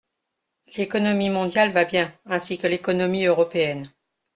L’économie mondiale va bien, ainsi que l’économie européenne.